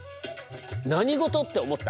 「何事？」って思った？